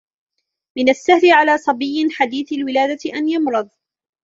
من السهل على صبي حديث الولادة أن يمرض.